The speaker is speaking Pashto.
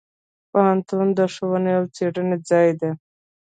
پوهنتون د ښوونې او څیړنې ځای دی.